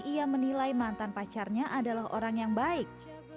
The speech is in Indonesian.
ia menilai mantan pacarnya adalah orang yang baik